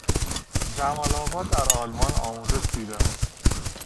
جمال آقا در آلمان آموزش دیده است.